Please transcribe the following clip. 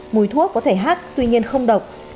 mùi thuốc có thể hắt tuy nhiên không độc